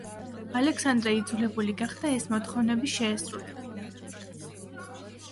ალექსანდრე იძულებული გახდა ეს მოთხოვნები შეესრულებინა.